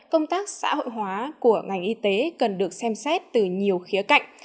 công tác xã hội hóa của ngành y tế cần được xem xét từ nhiều khía cạnh